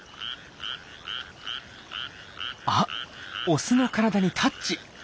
オスの体にタッチ。